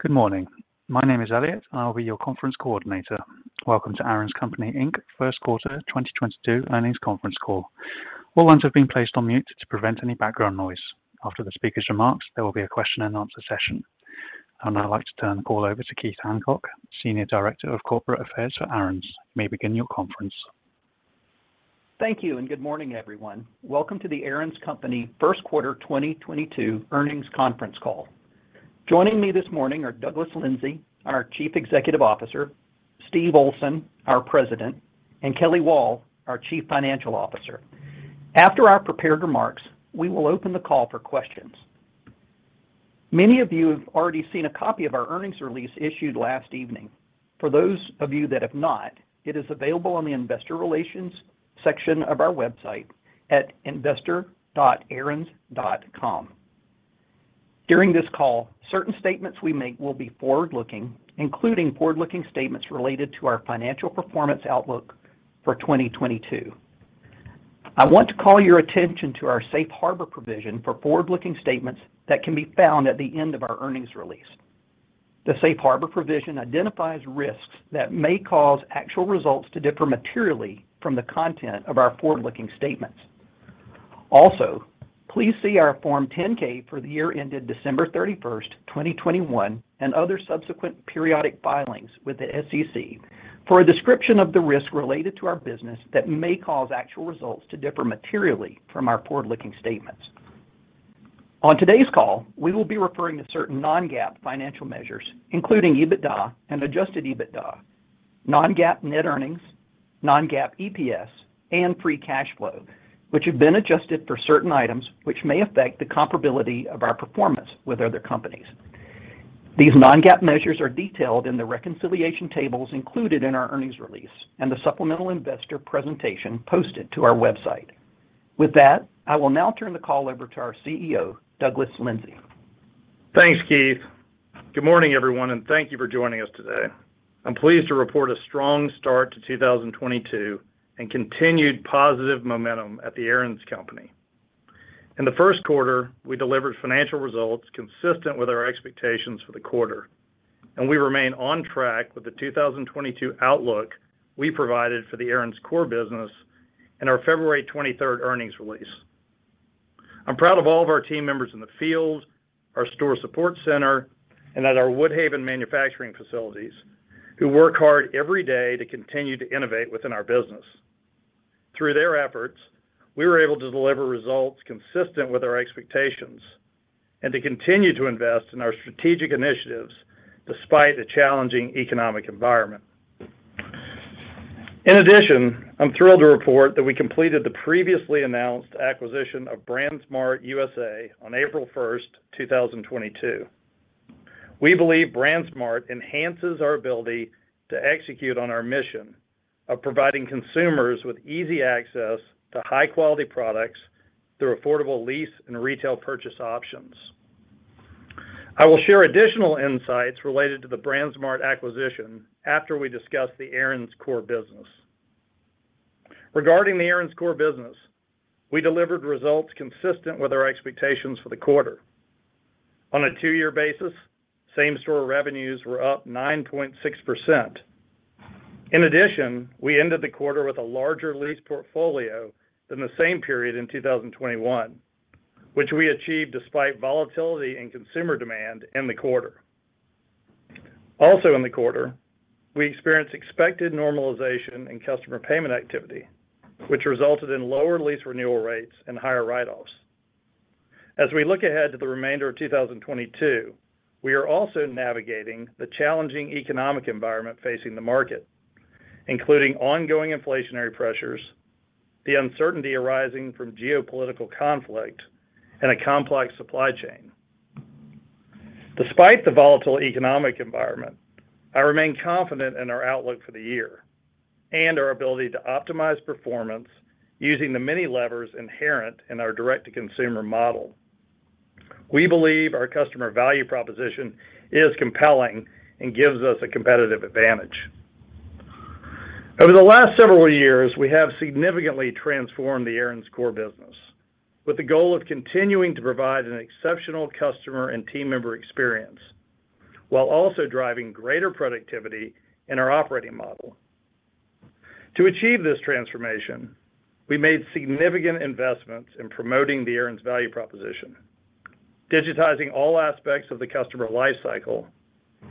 Good morning. My name is Elliot, and I will be your conference coordinator. Welcome to The Aaron's Company, Inc. first quarter 2022 earnings conference call. All lines have been placed on mute to prevent any background noise. After the speaker's remarks, there will be a question-and-answer session. I'd like to turn the call over to Keith Hancock, Senior Director of Corporate Affairs for Aaron's. You may begin your conference. Thank you, and good morning, everyone. Welcome to The Aaron's Company first quarter 2022 earnings conference call. Joining me this morning are Douglas Lindsay, our Chief Executive Officer, Steve Olsen, our President, and Kelly Wall, our Chief Financial Officer. After our prepared remarks, we will open the call for questions. Many of you have already seen a copy of our earnings release issued last evening. For those of you that have not, it is available on the investor relations section of our website at investor.aarons.com. During this call, certain statements we make will be forward-looking, including forward-looking statements related to our financial performance outlook for 2022. I want to call your attention to our Safe Harbor provision for forward-looking statements that can be found at the end of our earnings release. The Safe Harbor provision identifies risks that may cause actual results to differ materially from the content of our forward-looking statements. Also, please see our Form 10-K for the year ended December 31st, 2021, and other subsequent periodic filings with the SEC for a description of the risk related to our business that may cause actual results to differ materially from our forward-looking statements. On today's call, we will be referring to certain non-GAAP financial measures, including EBITDA and adjusted EBITDA, non-GAAP net earnings, non-GAAP EPS, and free cash flow, which have been adjusted for certain items which may affect the comparability of our performance with other companies. These non-GAAP measures are detailed in the reconciliation tables included in our earnings release and the supplemental investor presentation posted to our website. With that, I will now turn the call over to our CEO, Douglas Lindsay. Thanks, Keith. Good morning, everyone, and thank you for joining us today. I'm pleased to report a strong start to 2022 and continued positive momentum at The Aaron's Company. In the first quarter, we delivered financial results consistent with our expectations for the quarter, and we remain on track with the 2022 outlook we provided for The Aaron's core business in our February 23rd earnings release. I'm proud of all of our team members in the field, our store support center, and at our Woodhaven manufacturing facilities who work hard every day to continue to innovate within our business. Through their efforts, we were able to deliver results consistent with our expectations and to continue to invest in our strategic initiatives despite a challenging economic environment. In addition, I'm thrilled to report that we completed the previously announced acquisition of BrandsMart USA on April 1st, 2022. We believe BrandsMart enhances our ability to execute on our mission of providing consumers with easy access to high-quality products through affordable lease and retail purchase options. I will share additional insights related to the BrandsMart acquisition after we discuss the Aaron's core business. Regarding the Aaron's core business, we delivered results consistent with our expectations for the quarter. On a two-year basis, same-store revenues were up 9.6%. In addition, we ended the quarter with a larger lease portfolio than the same period in 2021, which we achieved despite volatility in consumer demand in the quarter. Also in the quarter, we experienced expected normalization in customer payment activity, which resulted in lower lease renewal rates and higher write-offs. As we look ahead to the remainder of 2022, we are also navigating the challenging economic environment facing the market, including ongoing inflationary pressures, the uncertainty arising from geopolitical conflict, and a complex supply chain. Despite the volatile economic environment, I remain confident in our outlook for the year and our ability to optimize performance using the many levers inherent in our direct-to-consumer model. We believe our customer value proposition is compelling and gives us a competitive advantage. Over the last several years, we have significantly transformed the Aaron's core business with the goal of continuing to provide an exceptional customer and team member experience while also driving greater productivity in our operating model. To achieve this transformation, we made significant investments in promoting the Aaron's value proposition, digitizing all aspects of the customer life cycle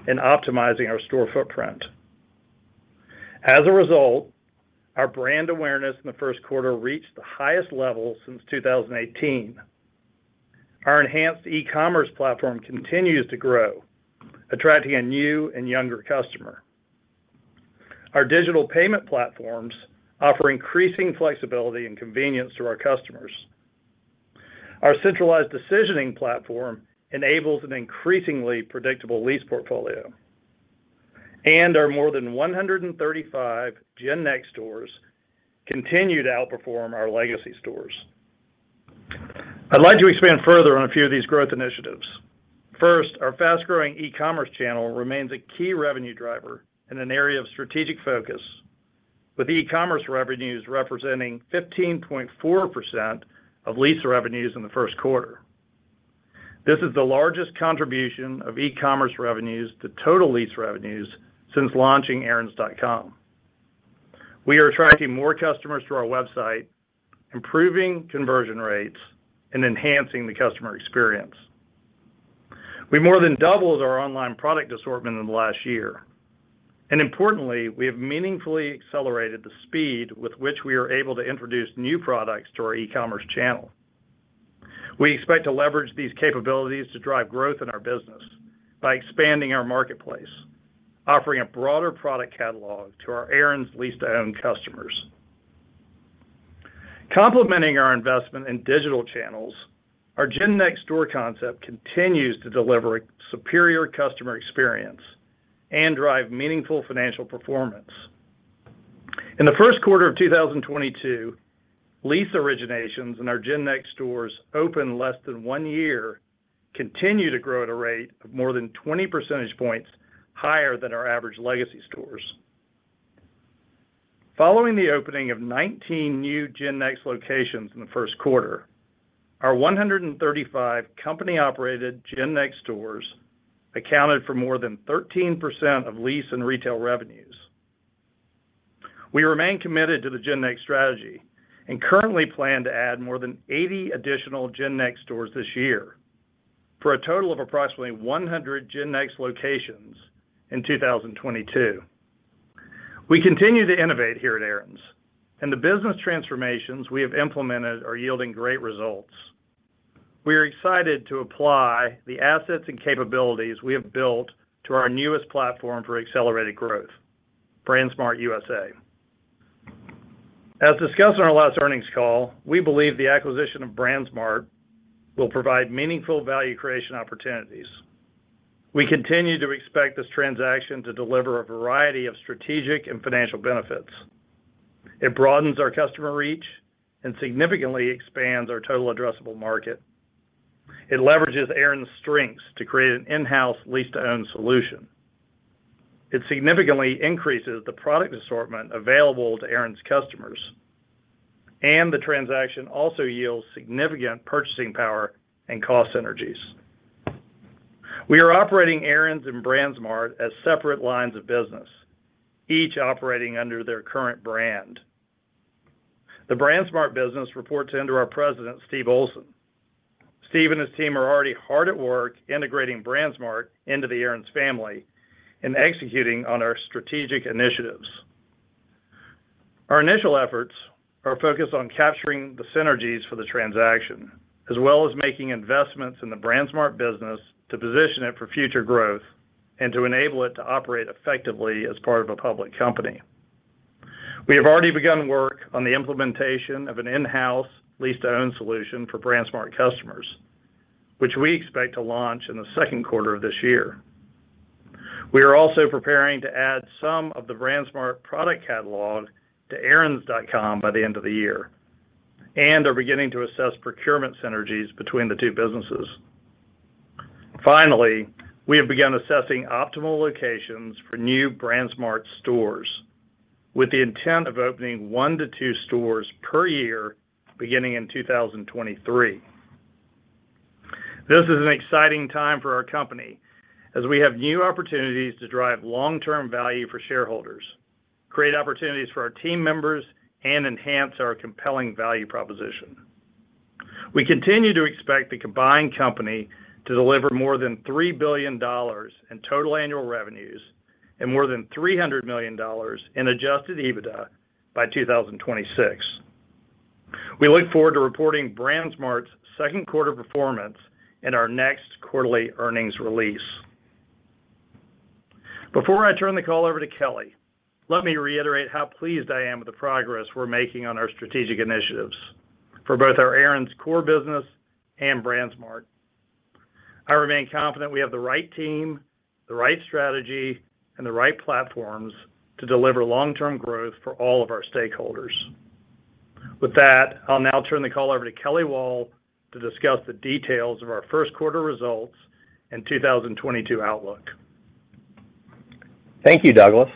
and optimizing our store footprint. As a result, our brand awareness in the first quarter reached the highest level since 2018. Our enhanced e-commerce platform continues to grow, attracting a new and younger customer. Our digital payment platforms offer increasing flexibility and convenience to our customers. Our centralized decisioning platform enables an increasingly predictable lease portfolio, and our more than 135 GenNext stores continue to outperform our legacy stores. I'd like to expand further on a few of these growth initiatives. First, our fast-growing e-commerce channel remains a key revenue driver and an area of strategic focus, with e-commerce revenues representing 15.4% of lease revenues in the first quarter. This is the largest contribution of e-commerce revenues to total lease revenues since launching aarons.com. We are attracting more customers to our website, improving conversion rates, and enhancing the customer experience. We more than doubled our online product assortment in the last year. Importantly, we have meaningfully accelerated the speed with which we are able to introduce new products to our e-commerce channel. We expect to leverage these capabilities to drive growth in our business by expanding our marketplace, offering a broader product catalog to our Aaron's lease-to-own customers. Complementing our investment in digital channels, our GenNext store concept continues to deliver superior customer experience and drive meaningful financial performance. In the first quarter of 2022, lease originations in our GenNext stores opened less than one year continue to grow at a rate of more than 20 percentage points higher than our average legacy stores. Following the opening of 19 new GenNext locations in the first quarter, our 135 company-operated GenNext stores accounted for more than 13% of lease and retail revenues. We remain committed to the GenNext strategy and currently plan to add more than 80 additional GenNext stores this year for a total of approximately 100 GenNext locations in 2022. We continue to innovate here at Aaron's, and the business transformations we have implemented are yielding great results. We are excited to apply the assets and capabilities we have built to our newest platform for accelerated growth, BrandsMart USA. As discussed on our last earnings call, we believe the acquisition of BrandsMart will provide meaningful value creation opportunities. We continue to expect this transaction to deliver a variety of strategic and financial benefits. It broadens our customer reach and significantly expands our total addressable market. It leverages Aaron's strengths to create an in-house lease-to-own solution. It significantly increases the product assortment available to Aaron's customers, and the transaction also yields significant purchasing power and cost synergies. We are operating Aaron's and BrandsMart as separate lines of business, each operating under their current brand. The BrandsMart business reports into our president, Steve Olsen. Steve and his team are already hard at work integrating BrandsMart into the Aaron's family and executing on our strategic initiatives. Our initial efforts are focused on capturing the synergies for the transaction, as well as making investments in the BrandsMart business to position it for future growth and to enable it to operate effectively as part of a public company. We have already begun work on the implementation of an in-house lease-to-own solution for BrandsMart customers, which we expect to launch in the second quarter of this year. We are also preparing to add some of the BrandsMart product catalog to aarons.com by the end of the year and are beginning to assess procurement synergies between the two businesses. Finally, we have begun assessing optimal locations for new BrandsMart stores with the intent of opening one to two stores per year beginning in 2023. This is an exciting time for our company as we have new opportunities to drive long-term value for shareholders, create opportunities for our team members, and enhance our compelling value proposition. We continue to expect the combined company to deliver more than $3 billion in total annual revenues and more than $300 million in adjusted EBITDA by 2026. We look forward to reporting BrandsMart's second quarter performance in our next quarterly earnings release. Before I turn the call over to Kelly, let me reiterate how pleased I am with the progress we're making on our strategic initiatives for both our Aaron's core business and BrandsMart. I remain confident we have the right team, the right strategy, and the right platforms to deliver long-term growth for all of our stakeholders. With that, I'll now turn the call over to Kelly Wall to discuss the details of our first quarter results and 2022 outlook. Thank you, Douglas.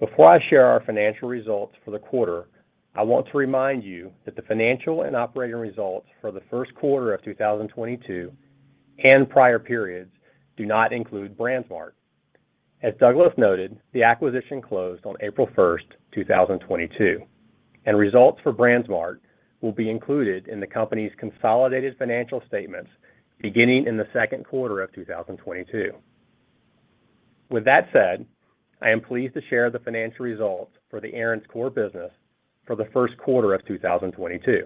Before I share our financial results for the quarter, I want to remind you that the financial and operating results for the first quarter of 2022 and prior periods do not include BrandsMart. As Douglas noted, the acquisition closed on April 1st, 2022, and results for BrandsMart will be included in the company's consolidated financial statements beginning in the second quarter of 2022. With that said, I am pleased to share the financial results for the Aaron's core business for the first quarter of 2022.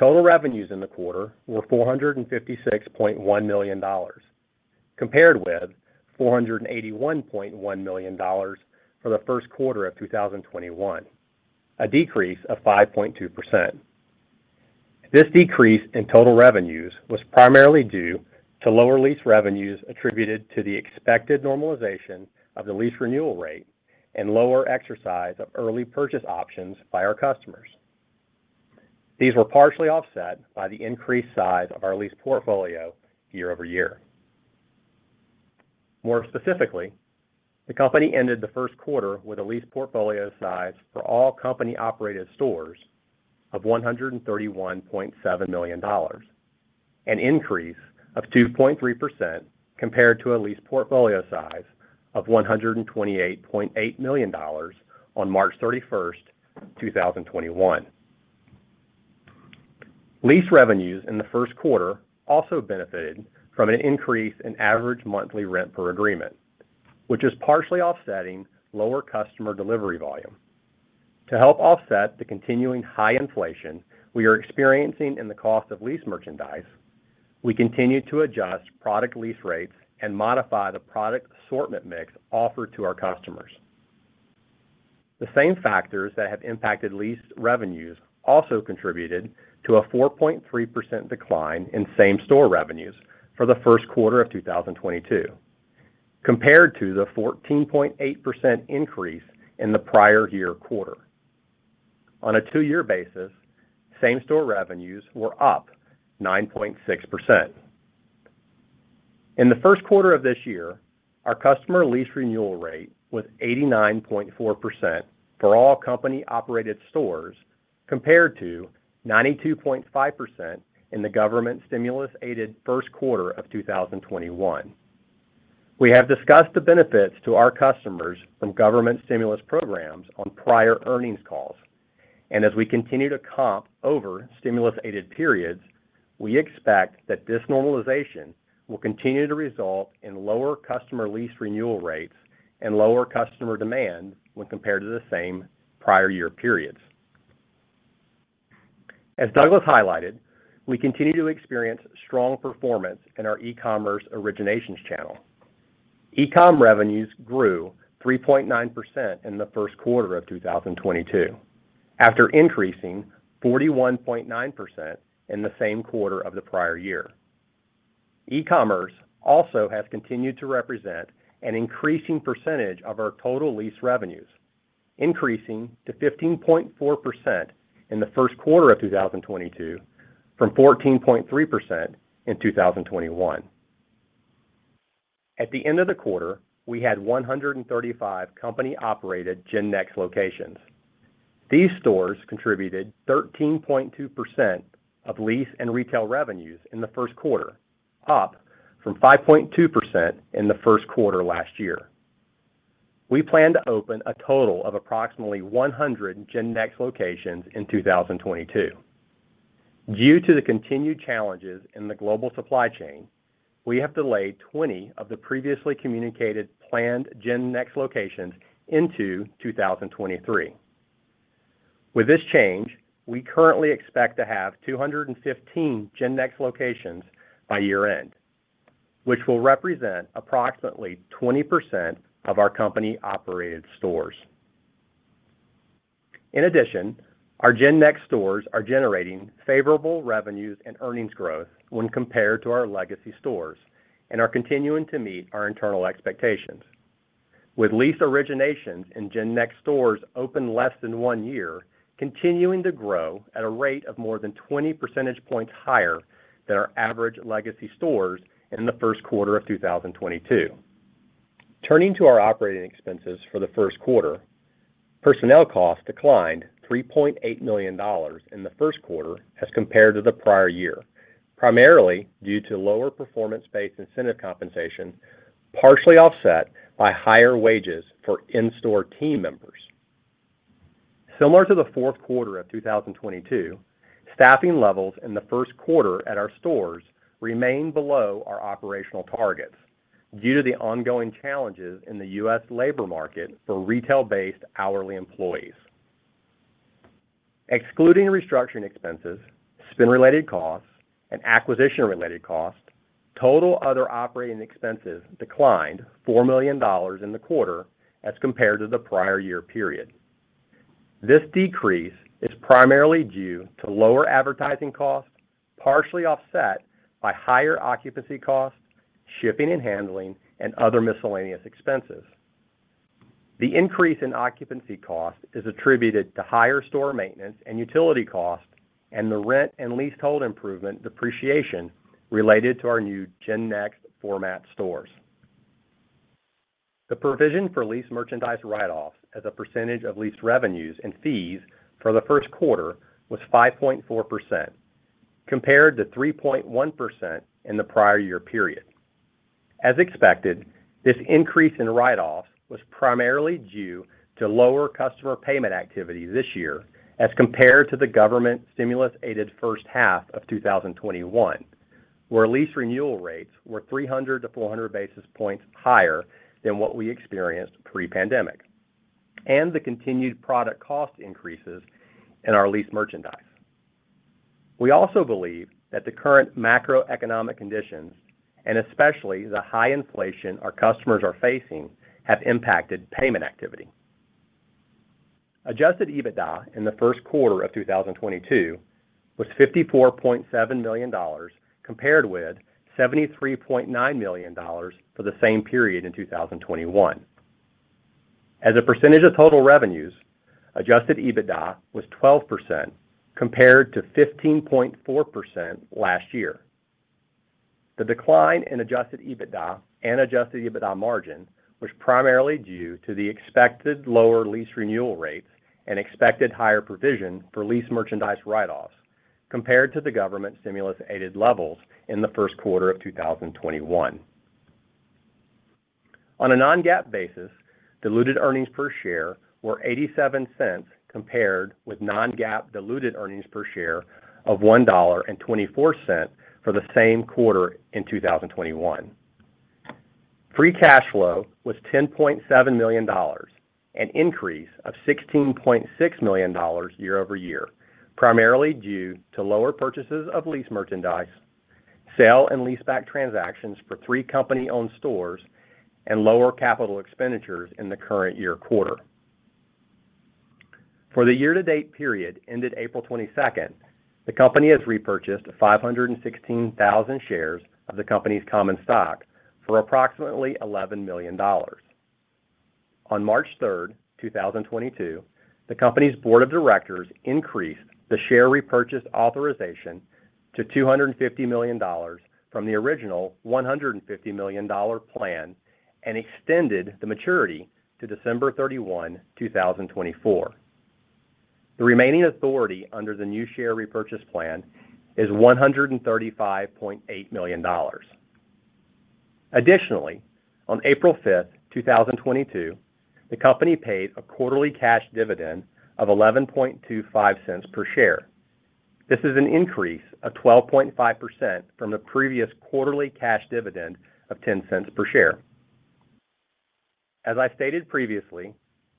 Total revenues in the quarter were $456.1 million, compared with $481.1 million for the first quarter of 2021, a decrease of 5.2%. This decrease in total revenues was primarily due to lower lease revenues attributed to the expected normalization of the lease renewal rate and lower exercise of early purchase options by our customers. These were partially offset by the increased size of our lease portfolio year-over-year. More specifically, the company ended the first quarter with a lease portfolio size for all company-operated stores of $131.7 million, an increase of 2.3% compared to a lease portfolio size of $128.8 million on March 31st, 2021. Lease revenues in the first quarter also benefited from an increase in average monthly rent per agreement, which is partially offsetting lower customer delivery volume. To help offset the continuing high inflation we are experiencing in the cost of lease merchandise, we continue to adjust product lease rates and modify the product assortment mix offered to our customers. The same factors that have impacted lease revenues also contributed to a 4.3% decline in same-store revenues for the first quarter of 2022 compared to the 14.8% increase in the prior year quarter. On a two-year basis, same-store revenues were up 9.6%. In the first quarter of this year, our customer lease renewal rate was 89.4% for all company-operated stores compared to 92.5% in the government stimulus-aided first quarter of 2021. We have discussed the benefits to our customers from government stimulus programs on prior earnings calls, and as we continue to comp over stimulus-aided periods, we expect that this normalization will continue to result in lower customer lease renewal rates and lower customer demand when compared to the same prior year periods. As Douglas highlighted, we continue to experience strong performance in our e-commerce originations channel. E-com revenues grew 3.9% in the first quarter of 2022 after increasing 41.9% in the same quarter of the prior year. E-commerce also has continued to represent an increasing percentage of our total lease revenues, increasing to 15.4% in the first quarter of 2022 from 14.3% in 2021. At the end of the quarter, we had 135 company-operated GenNext locations. These stores contributed 13.2% of lease and retail revenues in the first quarter, up from 5.2% in the first quarter last year. We plan to open a total of approximately 100 GenNext locations in 2022. Due to the continued challenges in the global supply chain, we have delayed 20 of the previously communicated planned GenNext locations into 2023. With this change, we currently expect to have 215 GenNext locations by year-end, which will represent approximately 20% of our company-operated stores. In addition, our GenNext stores are generating favorable revenues and earnings growth when compared to our legacy stores and are continuing to meet our internal expectations. With lease originations in GenNext stores open less than one year continuing to grow at a rate of more than 20 percentage points higher than our average legacy stores in the first quarter of 2022. Turning to our operating expenses for the first quarter, personnel costs declined $3.8 million in the first quarter as compared to the prior year, primarily due to lower performance-based incentive compensation, partially offset by higher wages for in-store team members. Similar to the fourth quarter of 2022, staffing levels in the first quarter at our stores remain below our operational targets due to the ongoing challenges in the U.S. labor market for retail-based hourly employees. Excluding restructuring expenses, spin-related costs, and acquisition-related costs, total other operating expenses declined $4 million in the quarter as compared to the prior year period. This decrease is primarily due to lower advertising costs, partially offset by higher occupancy costs, shipping and handling, and other miscellaneous expenses. The increase in occupancy costs is attributed to higher store maintenance and utility costs and the rent and leasehold improvement depreciation related to our new GenNext format stores. The provision for lease merchandise write-offs as a percentage of lease revenues and fees for the first quarter was 5.4% compared to 3.1% in the prior year period. As expected, this increase in write-offs was primarily due to lower customer payment activity this year as compared to the government stimulus-aided first half of 2021, where lease renewal rates were 300-400 basis points higher than what we experienced pre-pandemic, and the continued product cost increases in our lease merchandise. We also believe that the current macroeconomic conditions, and especially the high inflation our customers are facing, have impacted payment activity. Adjusted EBITDA in the first quarter of 2022 was $54.7 million compared with $73.9 million for the same period in 2021. As a percentage of total revenues, adjusted EBITDA was 12% compared to 15.4% last year. The decline in adjusted EBITDA and adjusted EBITDA margin was primarily due to the expected lower lease renewal rates and expected higher provision for lease merchandise write-offs compared to the government stimulus-aided levels in the first quarter of 2021. On a non-GAAP basis, diluted earnings per share were $0.87 compared with non-GAAP diluted earnings per share of $1.24 for the same quarter in 2021. Free cash flow was $10.7 million, an increase of $16.6 million year-over-year, primarily due to lower purchases of lease merchandise, sale and leaseback transactions for three company-owned stores, and lower capital expenditures in the current-year quarter. For the year-to-date period ended April 22nd, the company has repurchased 516,000 shares of the company's common stock for approximately $11 million. On March 3rd, 2022, the company's board of directors increased the share repurchase authorization to $250 million from the original $150 million plan and extended the maturity to December 31, 2024. The remaining authority under the new share repurchase plan is $135.8 million. Additionally, on April 5th, 2022, the company paid a quarterly cash dividend of $0.1125 per share. This is an increase of 12.5% from the previous quarterly cash dividend of $0.10 per share. As I stated previously,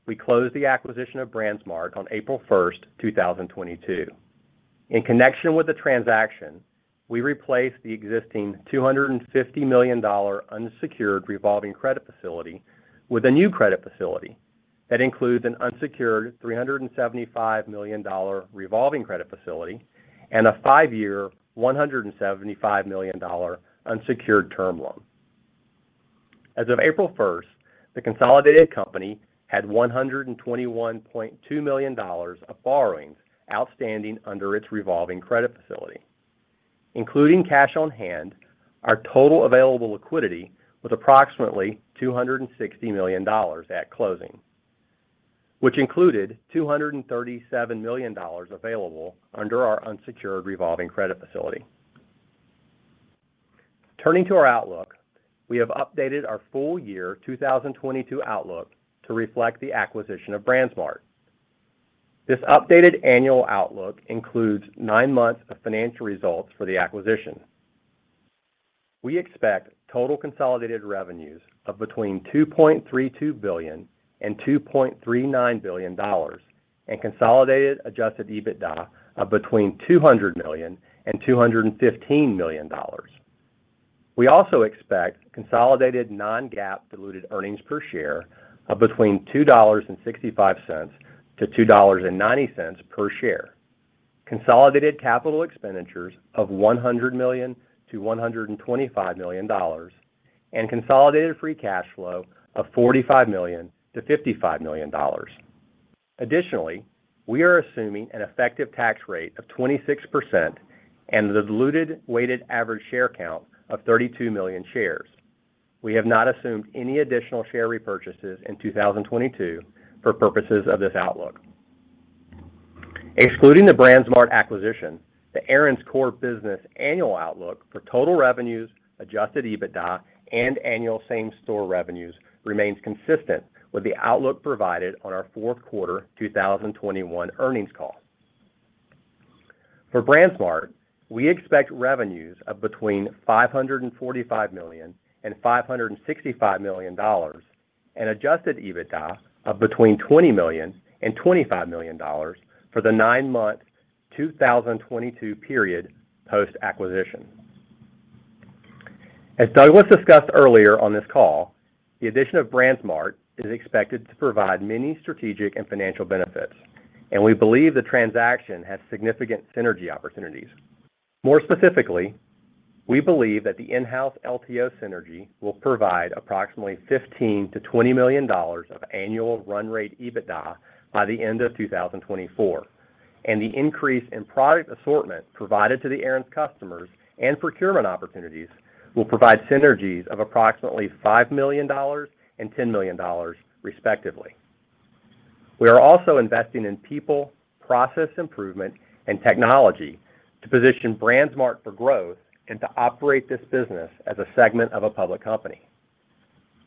we closed the acquisition of BrandsMart on April 1st, 2022. In connection with the transaction, we replaced the existing $250 million unsecured revolving credit facility with a new credit facility that includes an unsecured $375 million revolving credit facility and a five-year $175 million unsecured term loan. As of April 1st, the consolidated company had $121.2 million of borrowings outstanding under its revolving credit facility. Including cash on hand, our total available liquidity was approximately $260 million at closing, which included $237 million available under our unsecured revolving credit facility. Turning to our outlook, we have updated our full-year 2022 outlook to reflect the acquisition of BrandsMart. This updated annual outlook includes nine months of financial results for the acquisition. We expect total consolidated revenues of between $2.32 billion and $2.39 billion and consolidated adjusted EBITDA of between $200 million and $215 million. We also expect consolidated non-GAAP diluted earnings per share of between $2.65 and $2.90 per share, consolidated capital expenditures of $100 million-$125 million, and consolidated free cash flow of $45 million-$55 million. Additionally, we are assuming an effective tax rate of 26% and the diluted weighted average share count of 32 million shares. We have not assumed any additional share repurchases in 2022 for purposes of this outlook. Excluding the BrandsMart acquisition, the Aaron's core business annual outlook for total revenues, adjusted EBITDA, and annual same-store revenues remains consistent with the outlook provided on our fourth quarter 2021 earnings call. For BrandsMart, we expect revenues of between $545 million and $565 million and adjusted EBITDA of between $20 million and $25 million for the nine-month 2022 period post-acquisition. As Douglas discussed earlier on this call, the addition of BrandsMart is expected to provide many strategic and financial benefits, and we believe the transaction has significant synergy opportunities. More specifically, we believe that the in-house LTO synergy will provide approximately $15 million-$20 million of annual run rate EBITDA by the end of 2024, and the increase in product assortment provided to the Aaron's customers and procurement opportunities will provide synergies of approximately $5 million and $10 million, respectively. We are also investing in people, process improvement, and technology to position BrandsMart for growth and to operate this business as a segment of a public company.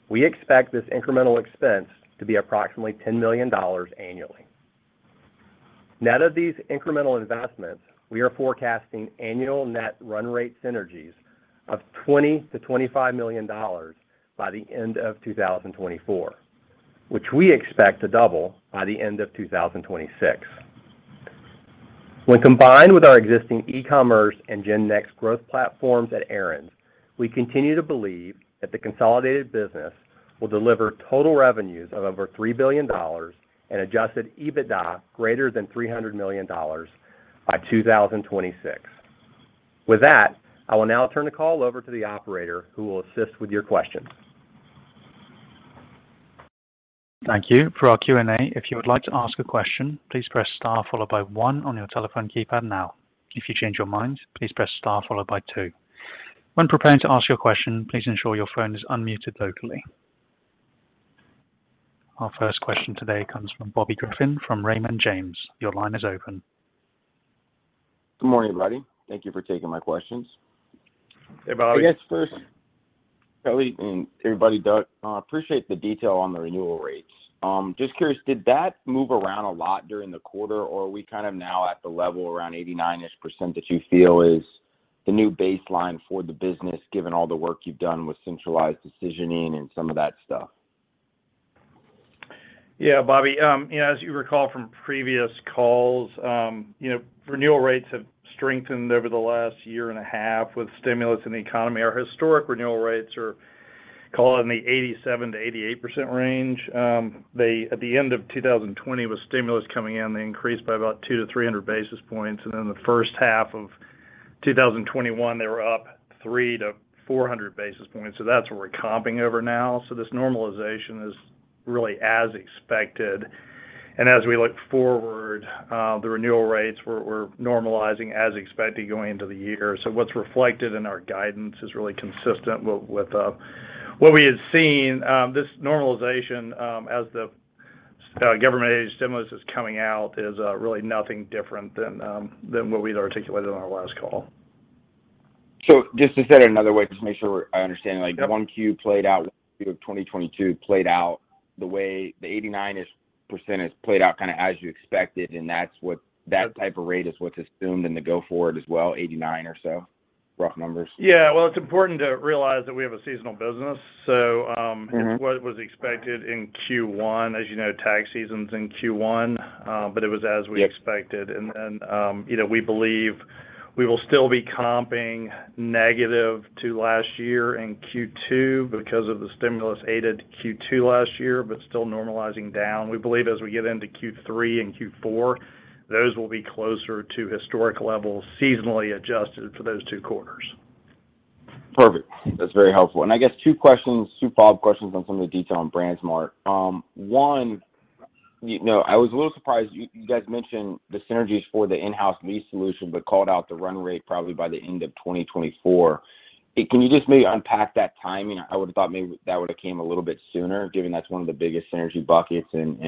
We expect this incremental expense to be approximately $10 million annually. Net of these incremental investments, we are forecasting annual net run rate synergies of $20 million-$25 million by the end of 2024, which we expect to double by the end of 2026. When combined with our existing e-commerce and GenNext growth platforms at Aaron's, we continue to believe that the consolidated business will deliver total revenues of over $3 billion and adjusted EBITDA greater than $300 million by 2026. With that, I will now turn the call over to the operator, who will assist with your questions. Thank you. For our Q&A, if you would like to ask a question, please press star followed by one on your telephone keypad now. If you change your mind, please press star followed by two. When preparing to ask your question, please ensure your phone is unmuted locally. Our first question today comes from Bobby Griffin from Raymond James. Your line is open. Good morning, everybody. Thank you for taking my questions. Hey, Bobby. I guess first, Kelly and everybody, Doug, appreciate the detail on the renewal rates. Just curious, did that move around a lot during the quarter, or are we kind of now at the level around 89% that you feel is the new baseline for the business, given all the work you've done with centralized decisioning and some of that stuff? Yeah, Bobby. You know, as you recall from previous calls, you know, renewal rates have strengthened over the last year and a half with stimulus in the economy. Our historic renewal rates are call it in the 87%-88% range. They, at the end of 2020 with stimulus coming in, they increased by about 200-300 basis points, and then the first half of 2021, they were up 300-400 basis points, so that's where we're comping over now. This normalization is really as expected. As we look forward, the renewal rates we're normalizing as expected going into the year. What's reflected in our guidance is really consistent with what we had seen. This normalization, as the government aid stimulus is coming out, is really nothing different than what we'd articulated on our last call. Just to say it another way, just make sure I understand. Like, 1Q of 2022 played out the way the 80% has played out kinda as you expected, and that's what that type of rate is what's assumed in the go forward as well, 89% or so, rough numbers? Yeah. Well, it's important to realize that we have a seasonal business, so- Mm-hmm. It's what was expected in Q1. As you know, tax season's in Q1, but it was as we expected. You know, we believe we will still be comping negative to last year in Q2 because of the stimulus aided Q2 last year, but still normalizing down. We believe as we get into Q3 and Q4, those will be closer to historic levels, seasonally adjusted for those two quarters. Perfect. That's very helpful. I guess two questions, two follow-up questions on some of the detail on BrandsMart. One, you know, I was a little surprised you guys mentioned the synergies for the in-house lease solution, but called out the run rate probably by the end of 2024. Can you just maybe unpack that timing? I would have thought maybe that would've came a little bit sooner, given that's one of the biggest synergy buckets and,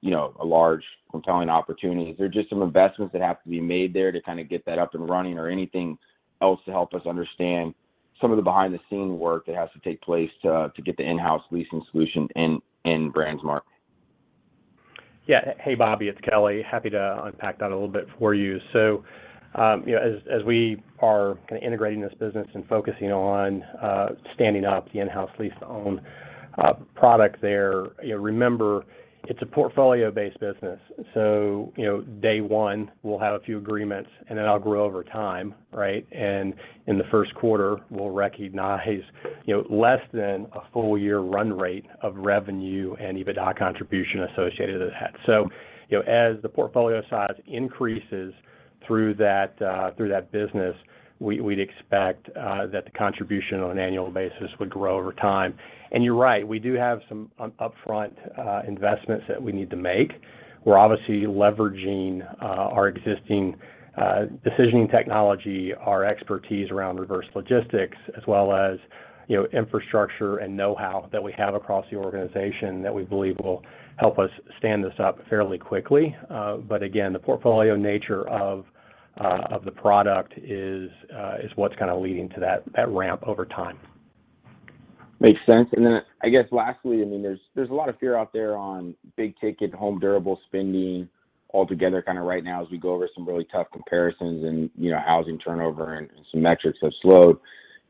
you know, a large compelling opportunity. Is there just some investments that have to be made there to kinda get that up and running or anything else to help us understand some of the behind the scenes work that has to take place to get the in-house leasing solution in BrandsMart? Hey, Bobby, it's Kelly. Happy to unpack that a little bit for you. You know, as we are kinda integrating this business and focusing on standing up the in-house lease to own product there, you know, remember, it's a portfolio-based business. You know, day one, we'll have a few agreements, and then it'll grow over time, right? In the first quarter, we'll recognize, you know, less than a full year run rate of revenue and EBITDA contribution associated with that. You know, as the portfolio size increases through that business, we'd expect that the contribution on an annual basis would grow over time. You're right, we do have some upfront investments that we need to make. We're obviously leveraging our existing decisioning technology, our expertise around reverse logistics, as well as, you know, infrastructure and know-how that we have across the organization that we believe will help us stand this up fairly quickly. Again, the portfolio nature of the product is what's kinda leading to that ramp over time. Makes sense. Then I guess lastly, I mean, there's a lot of fear out there on big ticket home durable spending altogether kinda right now as we go over some really tough comparisons and, you know, housing turnover and some metrics have slowed.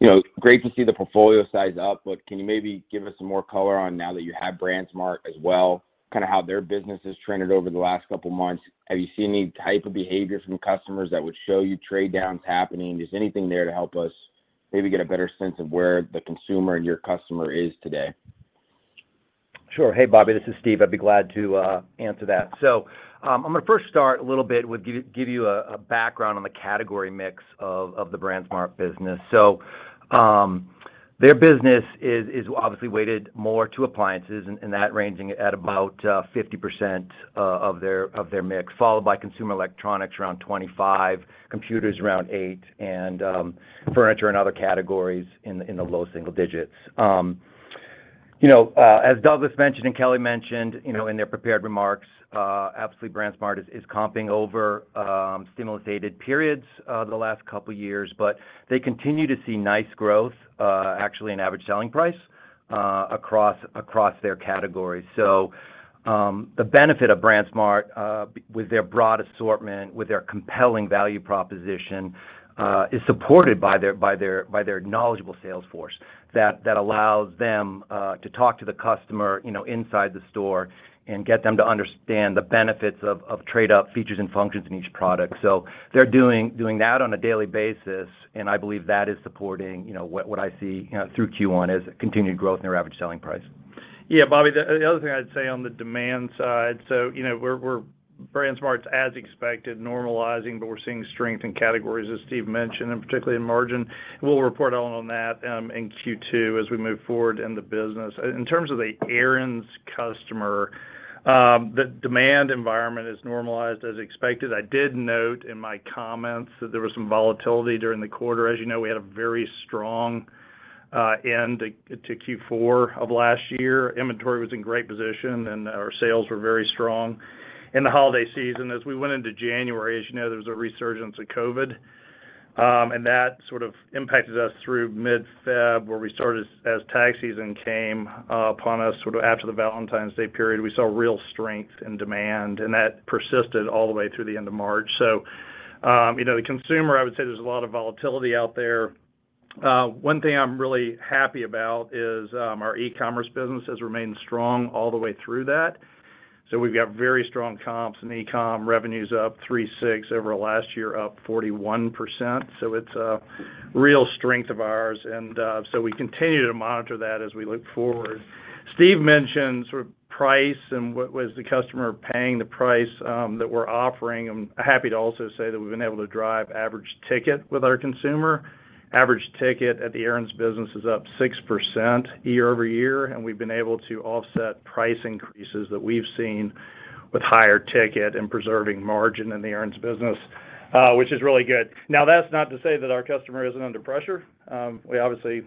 You know, great to see the portfolio size up, but can you maybe give us some more color on now that you have BrandsMart as well, kinda how their business has trended over the last couple months. Have you seen any type of behavior from customers that would show you trade downs happening? Just anything there to help us maybe get a better sense of where the consumer and your customer is today? Sure. Hey, Bobby. This is Steve. I'd be glad to answer that. I'm gonna first start a little bit with give you a background on the category mix of the BrandsMart business. Their business is obviously weighted more to appliances and that ranging at about 50% of their mix, followed by consumer electronics around 25%, computers around 8%, and furniture and other categories in the low single digits. You know, as Douglas mentioned and Kelly mentioned, you know, in their prepared remarks, absolutely BrandsMart is comping over stimulus-aided periods the last couple years, but they continue to see nice growth actually in average selling price across their categories. The benefit of BrandsMart, with their broad assortment, with their compelling value proposition, is supported by their knowledgeable sales force that allows them to talk to the customer, you know, inside the store and get them to understand the benefits of trade-up features and functions in each product. They're doing that on a daily basis, and I believe that is supporting, you know, what I see, you know, through Q1 is continued growth in their average selling price. Yeah, Bobby, the other thing I'd say on the demand side. You know, we're BrandsMart's as expected normalizing, but we're seeing strength in categories, as Steve mentioned, and particularly in margin. We'll report on that in Q2 as we move forward in the business. In terms of the Aaron's customer, the demand environment is normalized as expected. I did note in my comments that there was some volatility during the quarter. As you know, we had a very strong end to Q4 of last year. Inventory was in great position, and our sales were very strong in the holiday season. As we went into January, as you know, there was a resurgence of COVID, and that sort of impacted us through mid-February, where we started as tax season came upon us sort of after the Valentine's Day period. We saw real strength in demand, and that persisted all the way through the end of March. You know, the consumer, I would say there's a lot of volatility out there. One thing I'm really happy about is, our e-commerce business has remained strong all the way through that. We've got very strong comps and e-com revenues up 36% over last year, up 41%. It's a real strength of ours, and so we continue to monitor that as we look forward. Steve mentioned sort of price and what was the customer paying the price, that we're offering. I'm happy to also say that we've been able to drive average ticket with our consumer. Average ticket at the Aaron's business is up 6% year-over-year, and we've been able to offset price increases that we've seen with higher ticket and preserving margin in the Aaron's business, which is really good. Now, that's not to say that our customer isn't under pressure. We obviously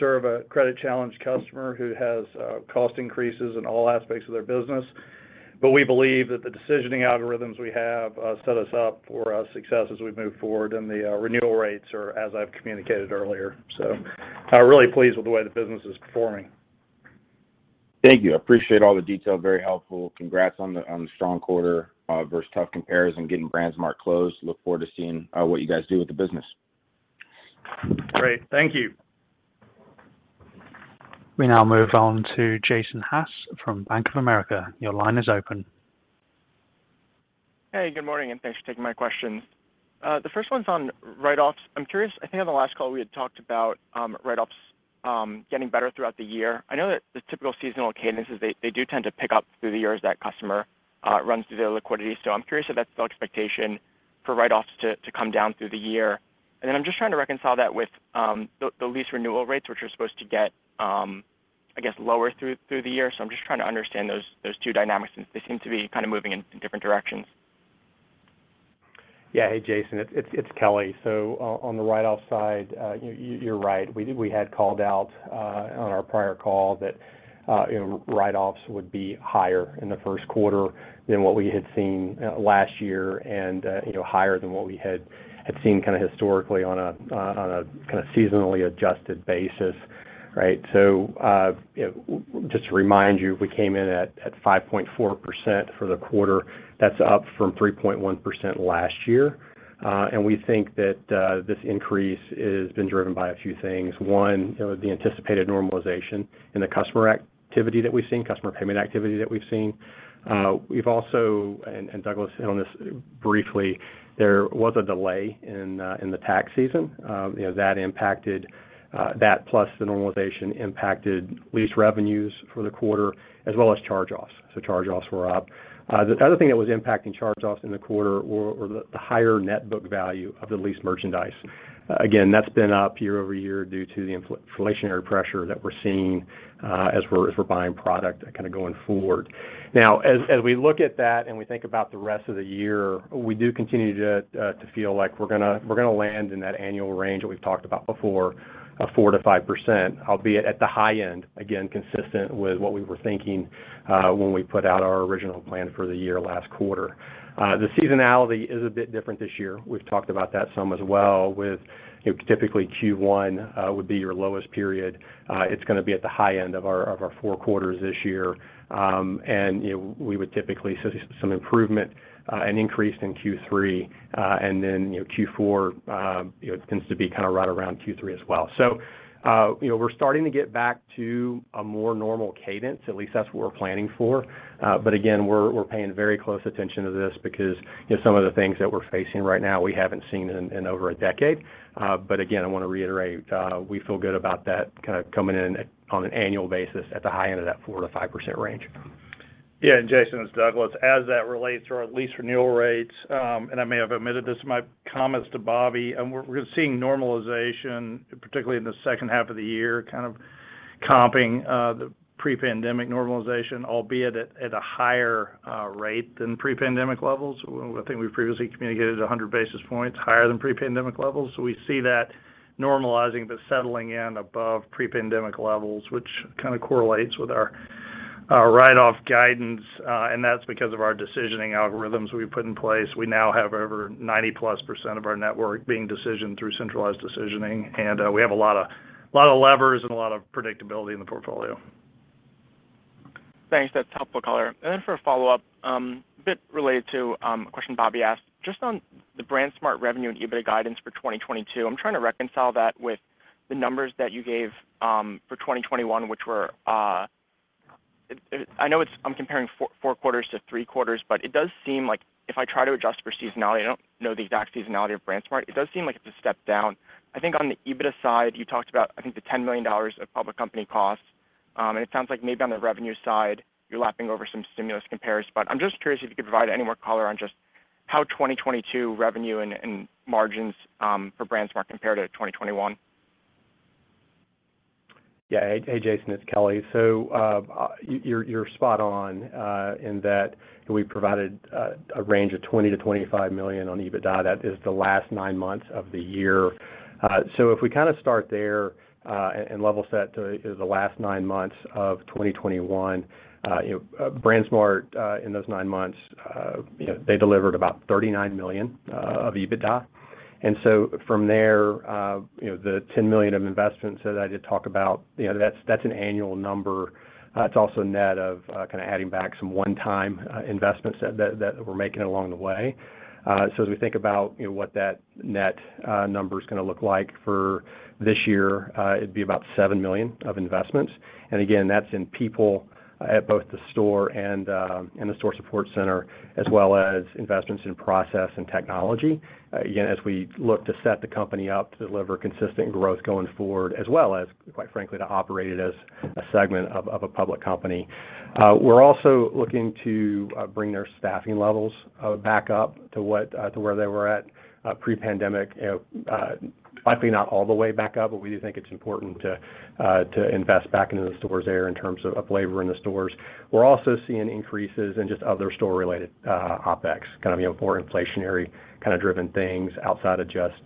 serve a credit-challenged customer who has cost increases in all aspects of their business. We believe that the decisioning algorithms we have set us up for success as we move forward, and the renewal rates are as I've communicated earlier. Really pleased with the way the business is performing. Thank you. Appreciate all the detail. Very helpful. Congrats on the strong quarter versus tough compares and getting BrandsMart closed. Look forward to seeing what you guys do with the business. Great. Thank you. We now move on to Jason Haas from Bank of America. Your line is open. Hey, good morning, and thanks for taking my questions. The first one's on write-offs. I'm curious. I think on the last call we had talked about write-offs getting better throughout the year. I know that the typical seasonal cadences they do tend to pick up through the year. That customer runs through their liquidity. I'm curious if that's still the expectation for write-offs to come down through the year. I'm just trying to reconcile that with the lease renewal rates, which are supposed to get, I guess, lower through the year. I'm just trying to understand those two dynamics since they seem to be kind of moving in different directions. Yeah. Hey, Jason, it's Kelly. On the write-off side, you're right. We had called out on our prior call that you know, write-offs would be higher in the first quarter than what we had seen last year and you know, higher than what we had seen kind of historically on a seasonally adjusted basis, right? Just to remind you, we came in at 5.4% for the quarter. That's up from 3.1% last year. We think that this increase has been driven by a few things. One, you know, the anticipated normalization in the customer activity that we've seen, customer payment activity that we've seen. We've also as Douglas hit on this briefly. There was a delay in the tax season. You know, that impacted that plus the normalization impacted lease revenues for the quarter as well as charge-offs. Charge-offs were up. The other thing that was impacting charge-offs in the quarter were the higher net book value of the leased merchandise. Again, that's been up year-over-year due to the inflationary pressure that we're seeing as we're buying product kind of going forward. Now, as we look at that and we think about the rest of the year, we do continue to feel like we're gonna land in that annual range that we've talked about before of 4%-5%, albeit at the high end, again, consistent with what we were thinking when we put out our original plan for the year last quarter. The seasonality is a bit different this year. We've talked about that some as well with, you know, typically Q1 would be your lowest period. It's gonna be at the high end of our four quarters this year. You know, we would typically see some improvement, an increase in Q3. You know, Q4 tends to be kind of right around Q3 as well. You know, we're starting to get back to a more normal cadence, at least that's what we're planning for. Again, we're paying very close attention to this because, you know, some of the things that we're facing right now we haven't seen in over a decade. Again, I wanna reiterate, we feel good about that kind of coming in on an annual basis at the high end of that 4%-5% range. Yeah. Jason, it's Douglas. As that relates to our lease renewal rates, and I may have admitted this in my comments to Bobby, and we're seeing normalization, particularly in the second half of the year, kind of comping the pre-pandemic normalization, albeit at a higher rate than pre-pandemic levels. I think we previously communicated 100 basis points higher than pre-pandemic levels. We see that normalizing but settling in above pre-pandemic levels, which kind of correlates with our write-off guidance. And that's because of our decisioning algorithms we put in place. We now have over 90+% of our network being decisioned through centralized decisioning, and we have a lot of levers and a lot of predictability in the portfolio. Thanks. That's helpful color. Then for a follow-up, a bit related to a question Bobby asked. Just on the BrandsMart revenue and EBIT guidance for 2022, I'm trying to reconcile that with the numbers that you gave for 2021, which were, I know it's. I'm comparing four quarters to three quarters, but it does seem like if I try to adjust for seasonality, I don't know the exact seasonality of BrandsMart. It does seem like it's a step down. I think on the EBITDA side, you talked about, I think, the $10 million of public company costs. It sounds like maybe on the revenue side, you're lapping over some stimulus compares. I'm just curious if you could provide any more color on just how 2022 revenue and margins for BrandsMart compare to 2021. Yeah. Hey, Jason, it's Kelly. You're spot on in that we provided a range of $20 million-$25 million on EBITDA. That is the last nine months of the year. If we kinda start there and level set to the last nine months of 2021, you know, BrandsMart in those nine months, you know, they delivered about $39 million of EBITDA. From there, you know, the $10 million of investments that I did talk about, you know, that's an annual number. It's also net of kinda adding back some one-time investments that we're making along the way. As we think about, you know, what that net number's gonna look like for this year, it'd be about $7 million of investments. Again, that's in people at both the store and in the store support center, as well as investments in process and technology, you know, as we look to set the company up to deliver consistent growth going forward, as well as, quite frankly, to operate it as a segment of a public company. We're also looking to bring their staffing levels back up to where they were at pre-pandemic. You know, likely not all the way back up, but we do think it's important to invest back into the stores there in terms of labor in the stores. We're also seeing increases in just other store-related OpEx, kind of, you know, more inflationary kind of driven things outside of just,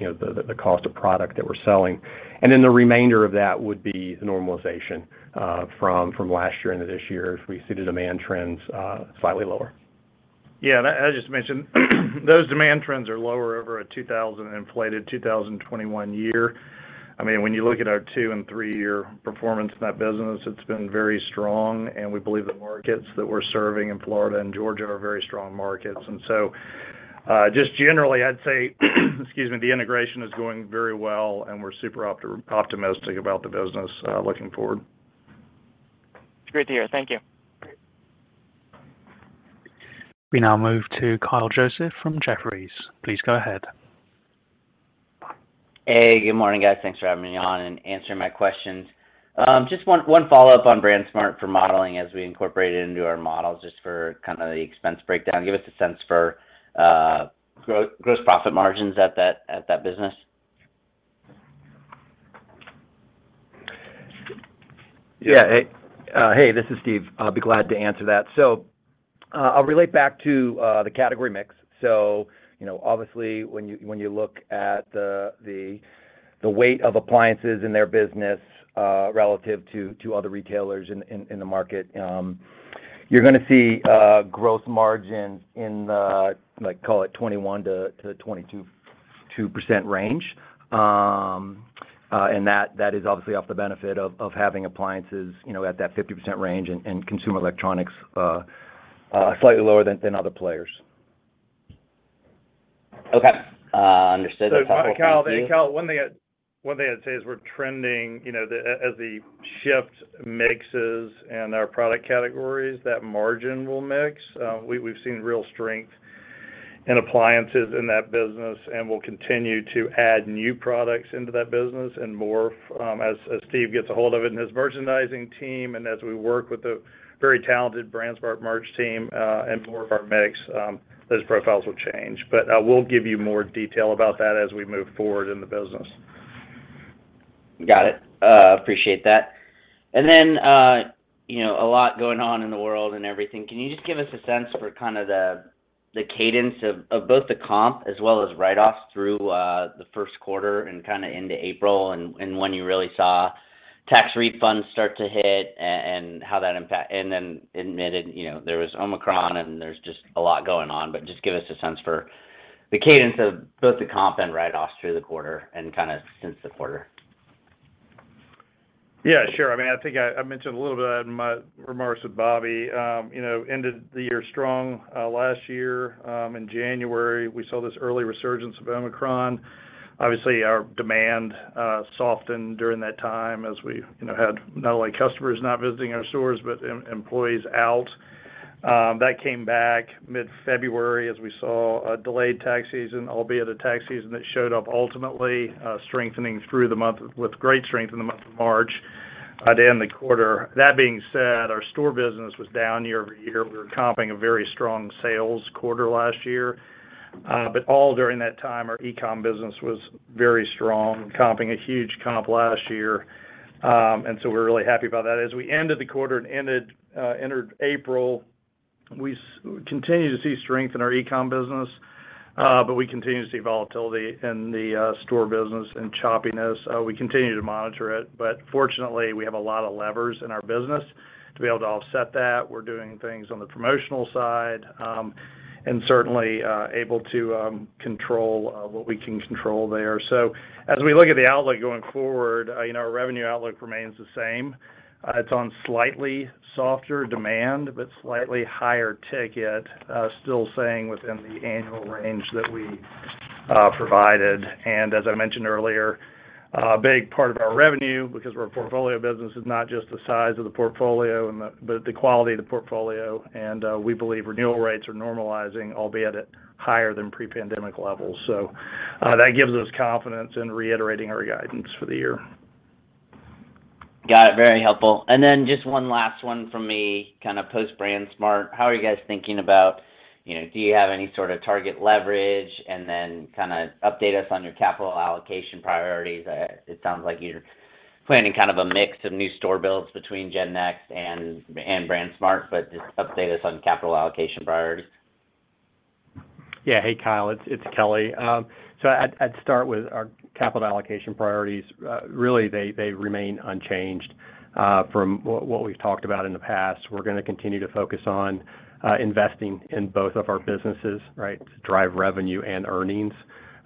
you know, the cost of product that we're selling. The remainder of that would be the normalization from last year into this year as we see the demand trends slightly lower. Yeah. I just mentioned those demand trends are lower over a 2,000 inflated 2021 year. I mean, when you look at our two- and three-year performance in that business, it's been very strong, and we believe the markets that we're serving in Florida and Georgia are very strong markets. Just generally, I'd say, excuse me, the integration is going very well, and we're super optimistic about the business looking forward. It's great to hear. Thank you. Great. We now move to Kyle Joseph from Jefferies. Please go ahead. Hey, good morning, guys. Thanks for having me on and answering my questions. Just one follow-up on BrandsMart for modeling as we incorporate it into our models just for kinda the expense breakdown. Give us a sense for gross profit margins at that business. Yeah. Hey, this is Steve. I'll be glad to answer that. I'll relate back to the category mix. You know, obviously, when you look at the weight of appliances in their business relative to other retailers in the market, you're gonna see gross margins in the like call it 21%-22% range. And that is obviously from the benefit of having appliances you know at that 50% range and consumer electronics slightly lower than other players. Okay. Understood. That's helpful. Thank you. Kyle, one thing I'd say is we're trending as the shift mixes in our product categories, that margin will mix. We've seen real strength in appliances in that business and will continue to add new products into that business and more as Steve gets a hold of it and his merchandising team and as we work with the very talented BrandsMart merch team, and more of our mix, those profiles will change. I will give you more detail about that as we move forward in the business. Got it. Appreciate that. You know, a lot going on in the world and everything. Can you just give us a sense for kinda the cadence of both the comp as well as write-offs through the first quarter and kinda into April and when you really saw tax refunds start to hit and how that impact amid it, you know, there was Omicron, and there's just a lot going on. Just give us a sense for the cadence of both the comp and write-offs through the quarter and kinda since the quarter. Yeah, sure. I mean, I think I mentioned a little bit in my remarks with Bobby, you know, ended the year strong, last year. In January, we saw this early resurgence of Omicron. Obviously, our demand softened during that time as we, you know, had not only customers not visiting our stores, but employees out. That came back mid-February as we saw a delayed tax season, albeit a tax season that showed up ultimately, strengthening through the month with great strength in the month of March, to end the quarter. That being said, our store business was down year-over-year. We were comping a very strong sales quarter last year. But all during that time, our e-com business was very strong, comping a huge comp last year. And so we're really happy about that. As we ended the quarter and entered April, we continue to see strength in our e-com business, but we continue to see volatility in the store business and choppiness. We continue to monitor it, but fortunately, we have a lot of levers in our business to be able to offset that. We're doing things on the promotional side, and certainly able to control what we can control there. As we look at the outlook going forward, you know, our revenue outlook remains the same. It's on slightly softer demand, but slightly higher ticket, still staying within the annual range that we provided. As I mentioned earlier, big part of our revenue, because we're a portfolio business, is not just the size of the portfolio but the quality of the portfolio. We believe renewal rates are normalizing, albeit at higher than pre-pandemic levels. That gives us confidence in reiterating our guidance for the year. Got it. Very helpful. Just one last one from me, kind of post BrandsMart. How are you guys thinking about, you know, do you have any sort of target leverage? Kind of update us on your capital allocation priorities. It sounds like you're planning kind of a mix of new store builds between GenNext and BrandsMart, but just update us on capital allocation priorities. Yeah. Hey, Kyle, it's Kelly. So I'd start with our capital allocation priorities. Really, they remain unchanged from what we've talked about in the past. We're gonna continue to focus on investing in both of our businesses, right, to drive revenue and earnings.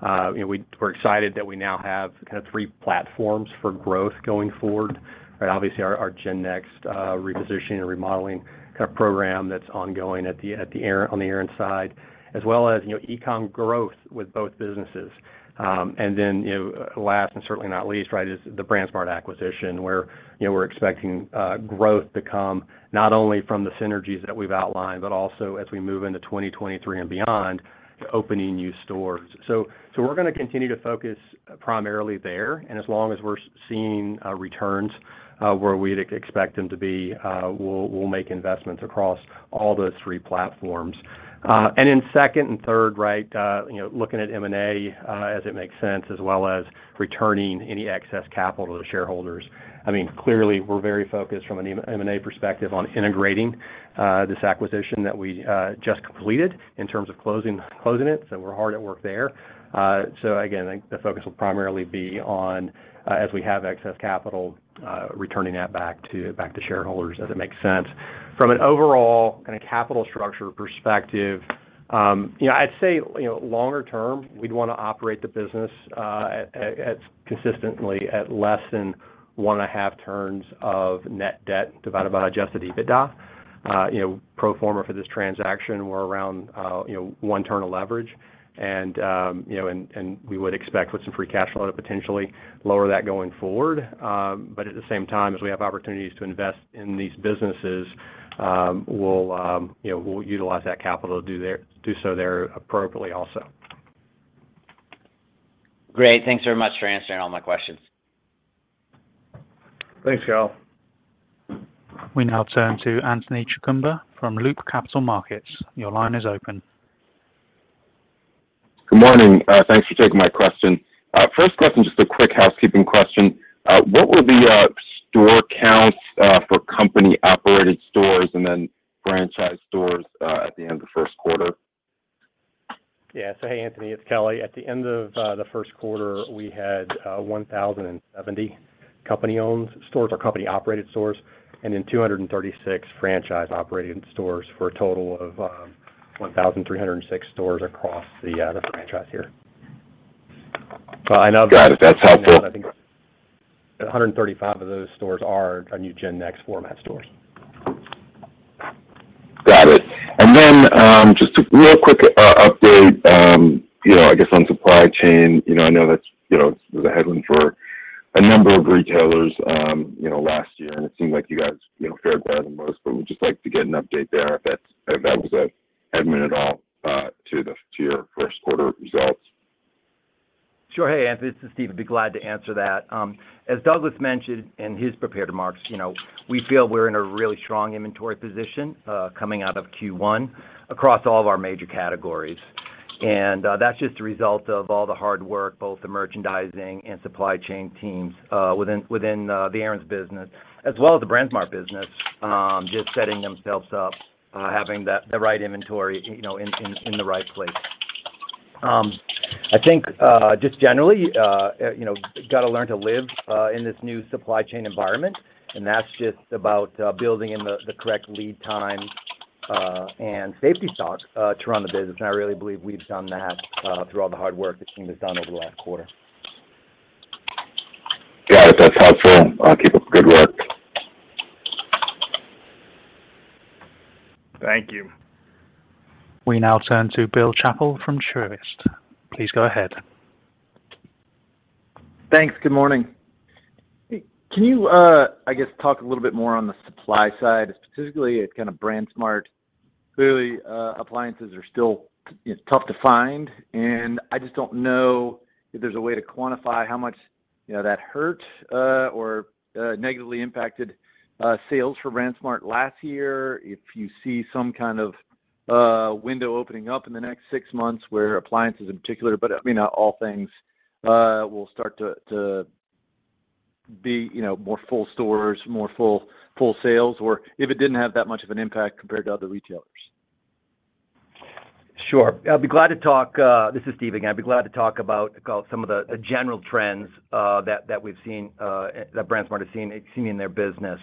You know, we're excited that we now have kind of three platforms for growth going forward, right? Obviously, our GenNext repositioning and remodeling kind of program that's ongoing on the Aaron's side, as well as, you know, e-com growth with both businesses. And then, you know, last, and certainly not least, right, is the BrandsMart acquisition, where, you know, we're expecting growth to come not only from the synergies that we've outlined, but also as we move into 2023 and beyond opening new stores. We're gonna continue to focus primarily there, and as long as we're seeing returns where we'd expect them to be, we'll make investments across all those three platforms. Then second and third, you know, looking at M&A as it makes sense, as well as returning any excess capital to shareholders. I mean, clearly we're very focused from an M&A perspective on integrating this acquisition that we just completed in terms of closing it, so we're hard at work there. Again, I think the focus will primarily be on, as we have excess capital, returning that back to shareholders as it makes sense. From an overall kind of capital structure perspective, you know, I'd say, you know, longer term, we'd wanna operate the business consistently at less than 1.5 turns of net debt divided by adjusted EBITDA. You know, pro forma for this transaction, we're around, you know, 1 turn of leverage and we would expect with some free cash flow to potentially lower that going forward. At the same time, as we have opportunities to invest in these businesses, you know, we'll utilize that capital to do so there appropriately also. Great. Thanks very much for answering all my questions. Thanks, Kyle. We now turn to Anthony Chukumba from Loop Capital Markets. Your line is open. Good morning. Thanks for taking my question. First question, just a quick housekeeping question. What will be our store counts for company-operated stores and then franchise stores at the end of the first quarter? Yeah. Hey, Anthony, it's Kelly. At the end of the first quarter, we had 1,070 company-owned stores or company-operated stores, and then 236 franchise-operated stores, for a total of 1,306 stores across the franchise here. I know- Got it. That's helpful. I think 135 of those stores are our new GenNext format stores. Got it. Just a real quick update, you know, I guess on supply chain. You know, I know that's, you know, the headline for a number of retailers, you know, last year, and it seemed like you guys, you know, fared better than most, but would just like to get an update there if that was a headwind at all, to your first quarter results. Sure. Hey, Anthony, this is Steve. I'd be glad to answer that. As Douglas mentioned in his prepared remarks, you know, we feel we're in a really strong inventory position coming out of Q1 across all of our major categories. That's just a result of all the hard work, both the merchandising and supply chain teams within the Aaron's business, as well as the BrandsMart business, just setting themselves up having the right inventory, you know, in the right place. I think, just generally, you know, gotta learn to live in this new supply chain environment, and that's just about building in the correct lead time and safety stock to run the business, and I really believe we've done that through all the hard work the team has done over the last quarter. Got it. That's helpful. Keep up the good work. Thank you. We now turn to Bill Chappell from Truist. Please go ahead. Thanks. Good morning. Can you, I guess, talk a little bit more on the supply side, specifically kind of BrandsMart? Clearly, appliances are still, you know, tough to find, and I just don't know if there's a way to quantify how much, you know, that hurt, or negatively impacted, sales for BrandsMart last year, if you see some kind of window opening up in the next six months where appliances in particular, but I mean, all things, will start to be, you know, more full stores, more full sales, or if it didn't have that much of an impact compared to other retailers. Sure. I'll be glad to talk. This is Steve again. I'd be glad to talk about some of the general trends that we've seen that BrandsMart has seen in their business.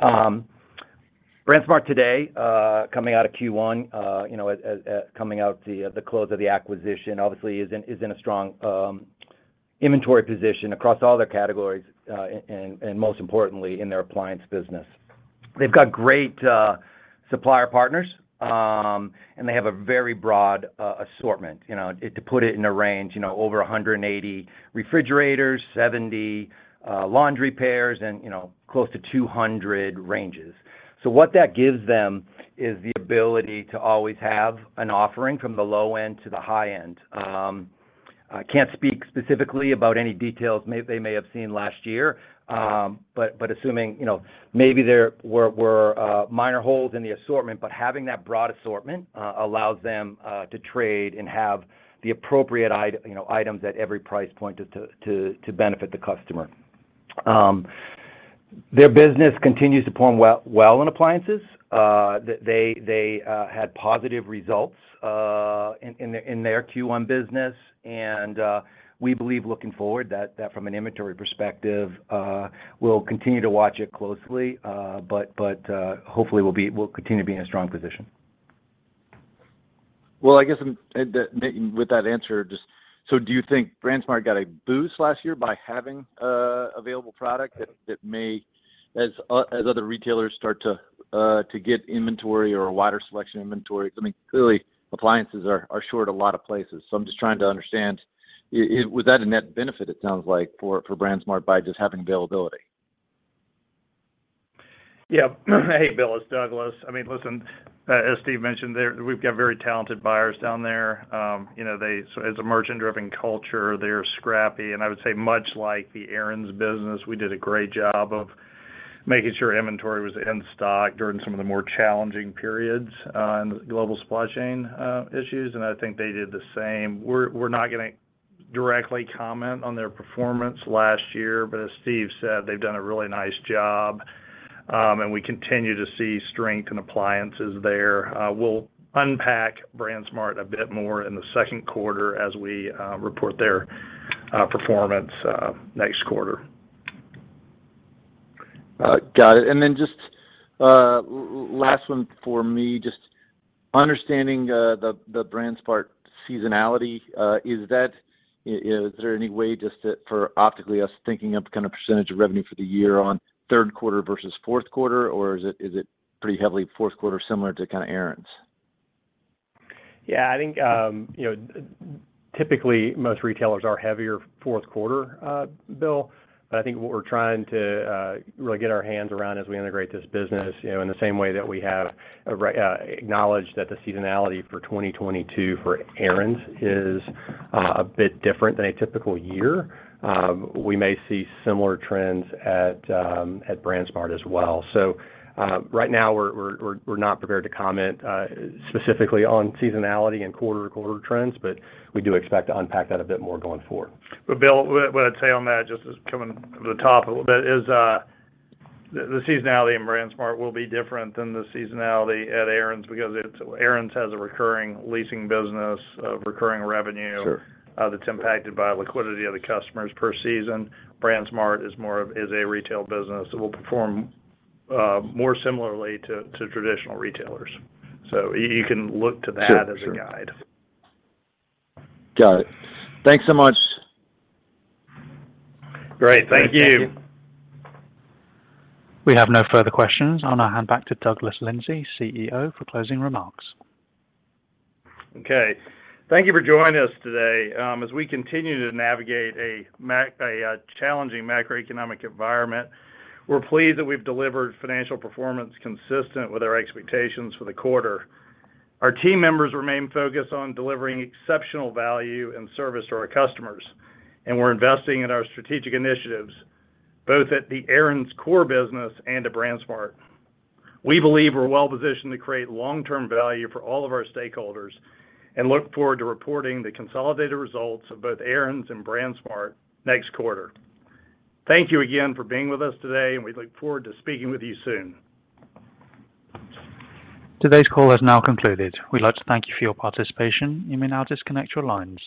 BrandsMart today coming out of Q1 you know at the close of the acquisition obviously is in a strong inventory position across all their categories and most importantly in their appliance business. They've got great supplier partners and they have a very broad assortment. You know to put it in a range you know over 180 refrigerators, 70 laundry pairs, and you know close to 200 ranges. What that gives them is the ability to always have an offering from the low end to the high end. I can't speak specifically about any details. Maybe they may have seen last year. But assuming, you know, maybe there were minor holes in the assortment, but having that broad assortment allows them to trade and have the appropriate items, you know, at every price point to benefit the customer. Their business continues to perform well in appliances. They had positive results in their Q1 business. We believe looking forward that from an inventory perspective, we'll continue to watch it closely. But hopefully we'll continue to be in a strong position. Well, I guess with that answer, just, so do you think BrandsMart got a boost last year by having an available product that as other retailers start to get inventory or a wider selection of inventory? I mean, clearly appliances are short a lot of places. I'm just trying to understand was that a net benefit. It sounds like for BrandsMart by just having availability. Yeah. Hey, Bill, it's Douglas. I mean, listen, as Steve mentioned there, we've got very talented buyers down there. You know, as a merchant-driven culture, they're scrappy. I would say much like the Aaron's business, we did a great job of making sure inventory was in stock during some of the more challenging periods in global supply chain issues, and I think they did the same. We're not gonna directly comment on their performance last year, but as Steve said, they've done a really nice job, and we continue to see strength in appliances there. We'll unpack BrandsMart a bit more in the second quarter as we report their performance next quarter. Got it. Just last one for me, just understanding the BrandsMart seasonality, is there any way just to for optically us thinking of kind of percentage of revenue for the year on third quarter versus fourth quarter, or is it pretty heavily fourth quarter similar to kinda Aaron's? Yeah, I think, you know, typically most retailers are heavier fourth quarter, Bill, but I think what we're trying to really get our hands around as we integrate this business, you know, in the same way that we have acknowledged that the seasonality for 2022 for Aaron's is a bit different than a typical year, we may see similar trends at BrandsMart as well. Right now we're not prepared to comment specifically on seasonality and quarter-to-quarter trends, but we do expect to unpack that a bit more going forward. Bill, what I'd say on that just as coming to the top a little bit is, the seasonality in BrandsMart will be different than the seasonality at Aaron's because it's Aaron's has a recurring leasing business of recurring revenue. Sure. That's impacted by liquidity of the customers per season. BrandsMart is a retail business that will perform more similarly to traditional retailers. You can look to that- Sure, sure. as a guide. Got it. Thanks so much. Great. Thank you. Thank you. We have no further questions. I'll now hand back to Douglas Lindsay, CEO, for closing remarks. Okay. Thank you for joining us today. As we continue to navigate a challenging macroeconomic environment, we're pleased that we've delivered financial performance consistent with our expectations for the quarter. Our team members remain focused on delivering exceptional value and service to our customers, and we're investing in our strategic initiatives, both at the Aaron's core business and to BrandsMart. We believe we're well positioned to create long-term value for all of our stakeholders and look forward to reporting the consolidated results of both Aaron's and BrandsMart next quarter. Thank you again for being with us today, and we look forward to speaking with you soon. Today's call has now concluded. We'd like to thank you for your participation. You may now disconnect your lines.